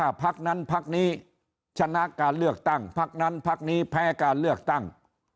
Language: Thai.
พักนั้นพักนี้ชนะการเลือกตั้งพักนั้นพักนี้แพ้การเลือกตั้ง